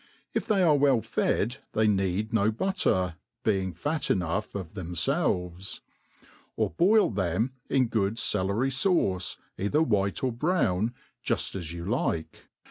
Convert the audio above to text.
If they are well fed they need no butter, being fat enough of themfelves. Or boil them in good cclery faucc, either white or brown, juft as you like.